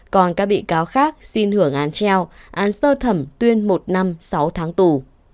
còn các bị cáo khác xin hưởng án treo án sơ thẩm tuyên một năm sáu tháng tù